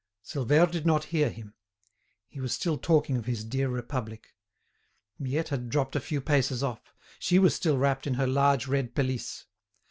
Silvère did not hear him. He was still talking of his dear Republic. Miette had dropped a few paces off; she was still wrapped in her large red pelisse.